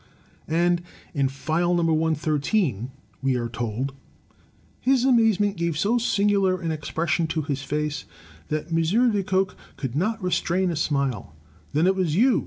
And in "File No. 113" we are told: His amazement gave so singular an expression to his face that M. Lecoq could not restrain a smile. "Then it was you!"